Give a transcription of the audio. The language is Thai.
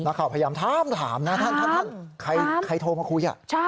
พยายามถามนะท่านใครโทรมาคุย